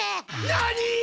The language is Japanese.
なに！？